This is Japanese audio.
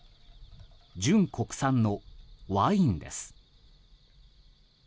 純国産のワインです。